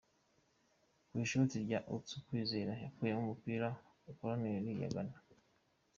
Ku ishoti rya Atsu, Kwizera yakuyemo umupira, koroneri ya Ghana.